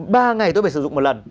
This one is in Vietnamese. ba ngày tôi phải sử dụng một lần